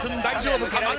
大丈夫か？